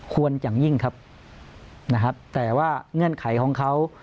ควรอย่างยิ่งครับนะครับแต่ว่าเงื่อนไขของเขา